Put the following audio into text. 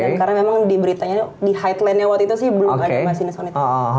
dan karena memang di beritanya di highline nya waktu itu sih belum ada masinis wanita